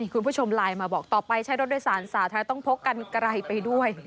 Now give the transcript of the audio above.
คุณผู้ชมไลน์มาบอกต่อไปใช้รถโดยสารสาธารณะต้องพกกันไกลไปด้วย